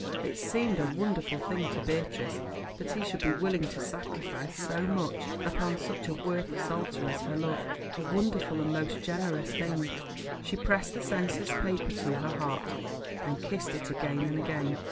It seemed a wonderful thing to Beatrice that he should be willing to sacrifice so much upon such a worthless altar as her love—a wonderful and most generous thing. She pressed the senseless paper to her heart, then kissed it again and again.